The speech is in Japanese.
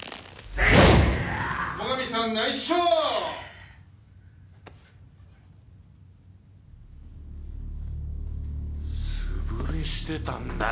素振りしてたんだよ素振り。